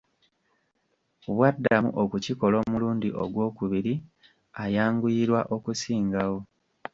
Bw'addamu okukikola omulundi ogwokubiri, ayanguyirwa okusingawo.